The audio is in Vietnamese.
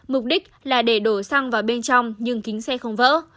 mục đích là để đổ xăng vào bên trong nhưng kính xe không vỡ